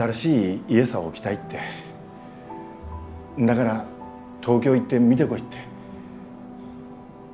がら東京行って見てこいって。